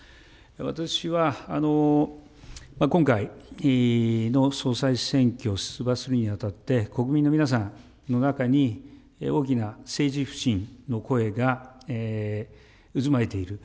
私は今回の総裁選挙を出馬するにあたって、国民の皆さんの中に、大きな政治不信の声が渦巻いている。